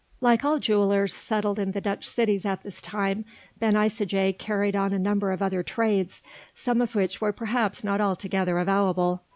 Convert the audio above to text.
Like all jewellers settled in the Dutch cities at this time Ben Isaje carried on a number of other trades some of which were perhaps not altogether avowable.